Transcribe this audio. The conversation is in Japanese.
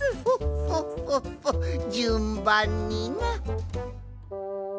フォッフォッフォッじゅんばんにな。